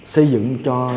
xây dựng cho